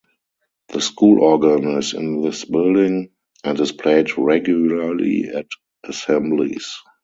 The school organ is in this building, and is played regularly at assemblies.